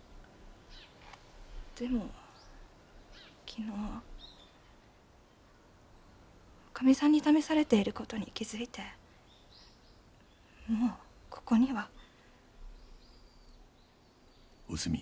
でも昨日女将さんに試されている事に気づいてもうここには。おすみ。